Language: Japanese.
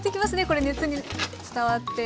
これ熱に伝わって。